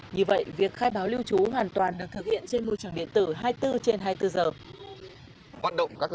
như vậy việc khai báo lưu trú hoàn toàn được thực hiện trên môi trường điện tử hai mươi bốn trên hai mươi bốn giờ